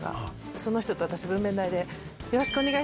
その人と私分娩台で。